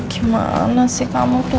gimana sih kamu tuh